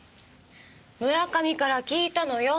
村上から聞いたのよ。